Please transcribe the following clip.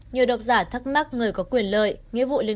nhiều độc giả thắc mắc người có quyền lợi